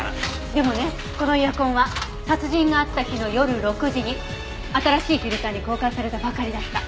でもねこのエアコンは殺人があった日の夜６時に新しいフィルターに交換されたばかりだった。